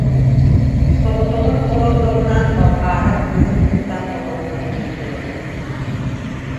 Соҕотоҕун олордоҕуна, Балбаара кыыһын кытта хотонтон киирдилэр